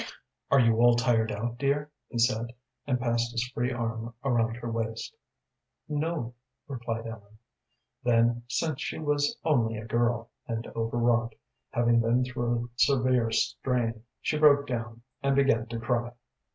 "Are you all tired out, dear?" he said, and passed his free arm around her waist. "No," replied Ellen. Then, since she was only a girl, and overwrought, having been through a severe strain, she broke down, and began to cry.